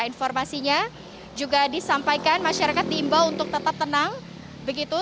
informasinya juga disampaikan masyarakat diimbau untuk tetap tenang begitu